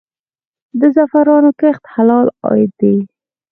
د زعفرانو کښت حلال عاید دی؟